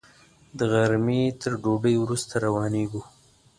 د غرمې تر ډوډۍ وروسته روانېږو.